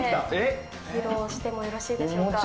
披露してもよろしいでしょうか。